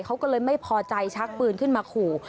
เขาก็เลยไม่พอใจชักปืนขึ้นมาขู่